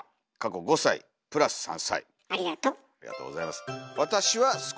ありがとうございます。